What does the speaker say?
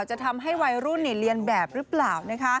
จะทำให้วัยรุ่นเรียนแบบหรือเปล่า